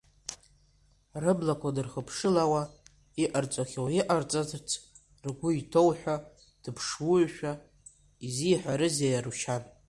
Рыблақәа дырхыԥшылауа, иҟарҵахьоу иҟарҵарц ргәы иҭоу ҳәа, дыԥшҩушәа изиҳәарызеи Арушьан?!